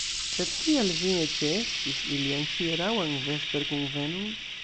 Sed kial vi ne ĉeestis ilian hieraŭan vesperkunvenon?